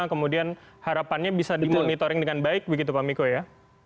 kemudian harapannya bisa dimonitoring dengan baik begitu pak miko ya